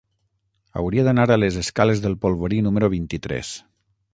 Hauria d'anar a les escales del Polvorí número vint-i-tres.